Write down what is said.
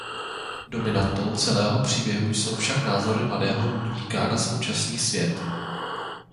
Dominantou celého příběhu jsou však názory mladého Ludvíka na současný svět.